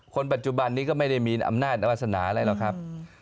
คนปัจจุบันนี้ก็ไม่ได้มีอำนาจละวัสนาอ้ะครับ